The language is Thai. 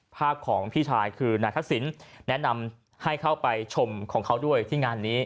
ภาพของพี่ชายคือนายทักษิณแนะนำให้เข้าไปชมของเขาด้วยที่งานนี้